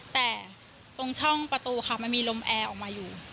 แต่ตรงช่องประตูค่ะมันมีลมแอร์ออกมาอยู่